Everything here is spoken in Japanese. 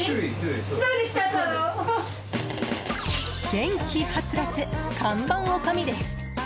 元気はつらつ看板おかみです。